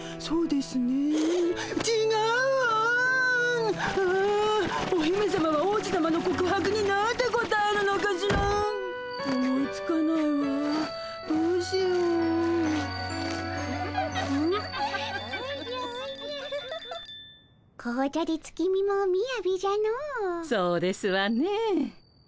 そうですわね。